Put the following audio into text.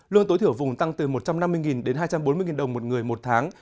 lương tối thiểu vùng tăng từ một trăm năm mươi đến hai trăm bốn mươi đồng một người một tháng